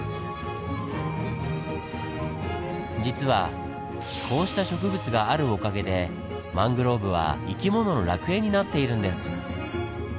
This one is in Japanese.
実はこうした植物があるおかげでマングローブは生き物の楽園になっているんです。